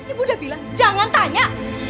ibu udah bilang jangan tanya